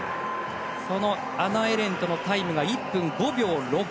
そのアナ・エレントのタイムが１分５秒６２。